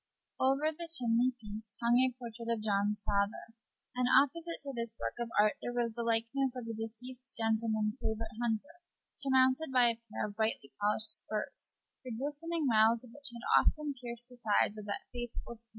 Over the chimney piece hung a portrait of John's father, and opposite to this work of art there was the likeness of the deceased gentleman's favorite hunter, surmounted by a pair of brightly polished spurs, the glistening rowels of which had often pierced the sides of that faithful steed.